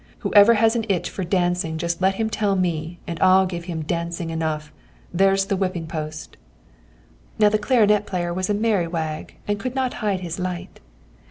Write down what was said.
Whoever has an itch for dancing just let him tell me, and I'll give him dancing enough. There's the whipping post!' Now the clarinet player was a merry wag, and could not hide his light.